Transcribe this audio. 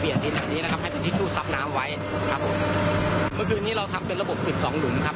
ให้ที่ทิชชูซับน้ำไว้ครับครับผมเมื่อคืนนี้เราทำเป็นระบบปิดสองหลุมครับ